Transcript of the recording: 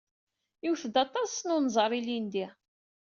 Iwet-d aṭas n unẓar, ilindi.